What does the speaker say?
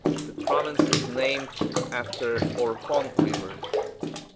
The province is named after Orkhon River.